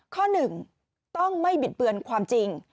ข้อหนึ่งต้องไม่บิดเบือนความจริง